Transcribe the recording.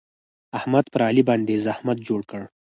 احمد پر علي باندې زحمت جوړ کړ.